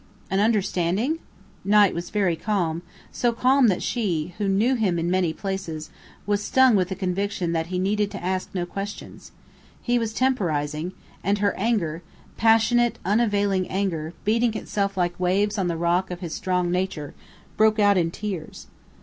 "An understanding?" Knight was very calm, so calm that she who knew him in many phases was stung with the conviction that he needed to ask no questions. He was temporizing; and her anger passionate, unavailing anger, beating itself like waves on the rock of his strong nature broke out in tears.